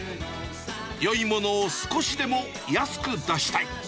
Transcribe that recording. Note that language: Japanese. よいものを少しでも安く出したい。